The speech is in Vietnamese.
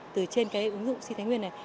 từ trên cái ứng dụng xây thánh nguyên này